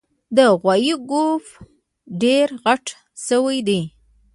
د غوایي ګوپ ډېر غټ شوی دی